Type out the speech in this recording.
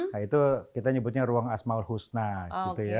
nah itu kita nyebutnya ruang asmaul husna gitu ya